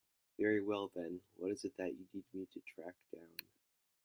Very well then, what is it that you need me to track down?